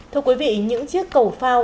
thưa quý vị những chiếc cầu phao